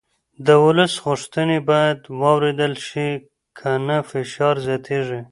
د ولس غوښتنې باید واورېدل شي که نه فشار زیاتېږي